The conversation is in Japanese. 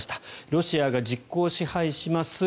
ロシアが実効支配します